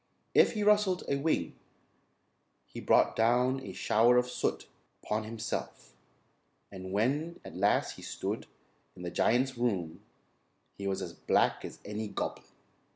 If he rustled a wing he brought down a shower of soot upon himself, and when at last he stood in the Giant's room, he was as black as any goblin.